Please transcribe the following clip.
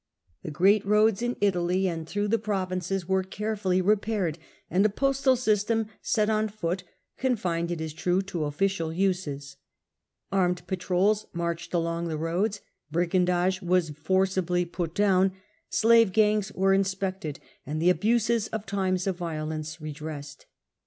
^ The great roads in Italy and through the provinces were carefully repaired, and a postal system set on foot, confined, it is true, to official uses. Armed patrols marched along the roads, brigandage was forcibly put down, slave gangs were inspected, and the abuses of times of violence redressed.